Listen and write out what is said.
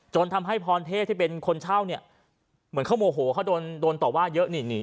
ทำให้พรเทพที่เป็นคนเช่าเนี่ยเหมือนเขาโมโหเขาโดนต่อว่าเยอะนี่